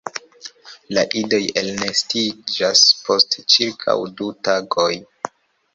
La idoj elnestiĝas post ĉirkaŭ du tagoj.